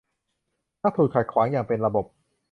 มักถูกขัดขวางอย่างเป็นระบบ